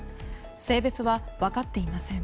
性別は分かっていません。